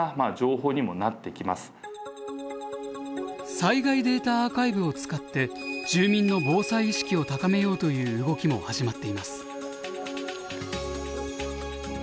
災害データアーカイブを使って住民の防災意識を高めようという動きも始まっています。